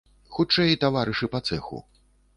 Хутчэй, таварышы па цэху.